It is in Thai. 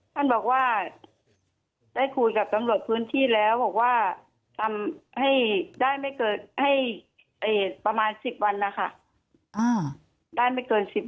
ท่านบอกว่าได้คุยกับตำรวจพื้นที่แล้วบอกว่าได้ไม่เกิน๑๐วันนะคะ